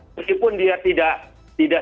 meskipun dia tidak